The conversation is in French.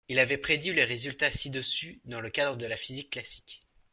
Il avait prédit les résultats ci-dessus dans le cadre de la physique classique.